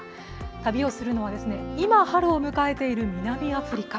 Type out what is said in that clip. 旅をするのは今、春を迎えている南アフリカ。